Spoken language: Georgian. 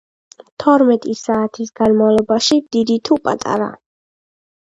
თორმეტი საათის განმავლობაში, დიდი თუ პატარა,